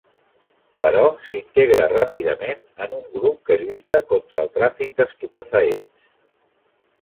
Però s'integra ràpidament en un grup que lluita contra el tràfic d'estupefaents.